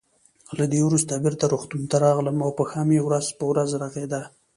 له دې وروسته بېرته روغتون ته راغلم او پښه مې ورځ په ورځ رغېده.